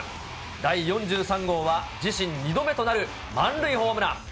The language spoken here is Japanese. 第４３号は、自身２度目となる満塁ホームラン。